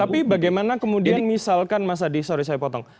tapi bagaimana kemudian misalkan mas hadi sorry saya potong